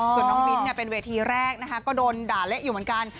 ส่วนน้องมิ้นเป็นเวทีแรกนะคะก็โดนด่าเละอยู่เหมือนกัน